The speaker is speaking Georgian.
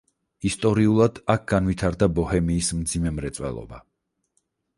ისტორიულად, აქ განვითარდა ბოჰემიის მძიმე მრეწველობა.